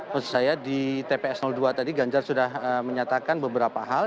maksud saya di tps dua tadi ganjar sudah menyatakan beberapa hal